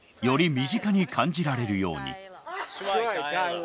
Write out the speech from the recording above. より身近に感じられるように。